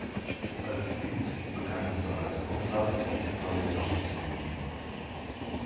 Als Kind begann sie bereits "coplas" und Flamenco zu singen.